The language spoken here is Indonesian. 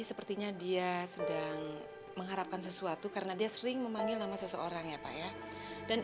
sepertinya dia sedang mengharapkan sesuatu karena dia sering memanggil nama seseorang ya pak ya dan